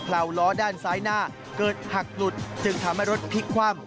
ลาวล้อด้านซ้ายหน้าเกิดหักหลุดจึงทำให้รถพลิกคว่ำ